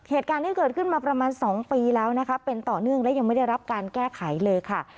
เหตุการณ์ที่เกิดขึ้นมาประมาณ๒ปีแล้วนะคะเป็นต่อเนื่องและยังไม่ได้รับการแก้ไขเลยค่ะ